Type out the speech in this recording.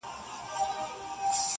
خيرات پر باچا لا روا دئ.